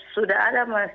sudah ada mas